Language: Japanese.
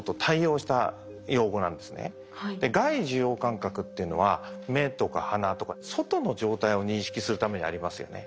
外受容感覚っていうのは目とか鼻とか外の状態を認識するためにありますよね。